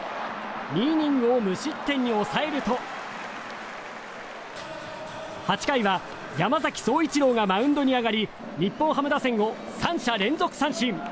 ２イニングを無失点に抑えると８回は山崎颯一郎がマウンドに上がり日本ハム打線を３者連続三振。